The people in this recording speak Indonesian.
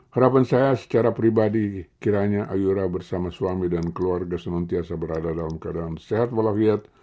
harapan saya secara pribadi kiranya ayora bersama suami dan keluarga senantiasa berada dalam keadaan sehat walafiat